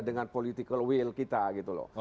dengan political will kita gitu loh